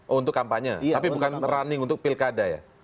oh untuk kampanye tapi bukan running untuk pilkada ya